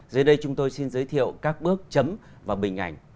dưới đây chúng tôi xin giới thiệu các bước chấm và bình ảnh